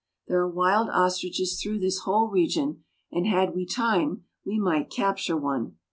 There are wild ostriches through this whole region, and had we time we might capture one.